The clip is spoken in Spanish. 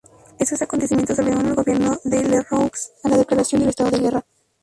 Estos acontecimientos obligaron al gobierno de Lerroux a la declaración del estado de guerra.